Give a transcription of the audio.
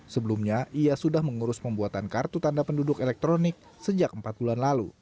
sebelumnya ia sudah mengurus pembuatan kartu tanda penduduk elektronik sejak empat bulan lalu